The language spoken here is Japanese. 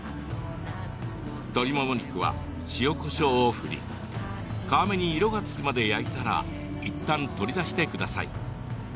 鶏もも肉は塩、こしょうを振り皮目に色がつくまで焼いたらいったん取り出してください。